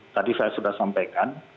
tadi saya sudah sampaikan